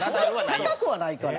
高くはないから。